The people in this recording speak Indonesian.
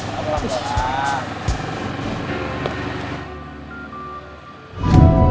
ya allah pelan pelan